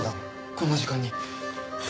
こんな時間に。